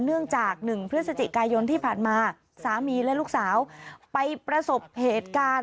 เนื่องจาก๑พฤศจิกายนที่ผ่านมาสามีและลูกสาวไปประสบเหตุการณ์